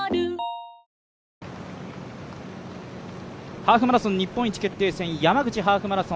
ハーフマラソン日本一決定戦、山口ハーフマラソン。